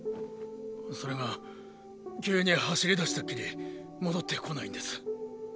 それが急に走り出したっきり戻ってこないんです。